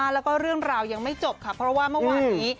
แล้วก็เรื่องราวยังไม่จบค่ะเพราะว่าเมื่อวานนี้